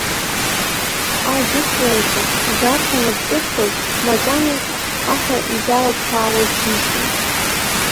Аидыслараҿы зарӷьа нап ҿырхыз, макьанагьы аҳәа изалаҭԥаауаз џьишьон!